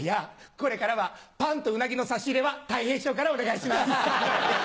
これからはパンとウナギの差し入れはたい平師匠からお願いします！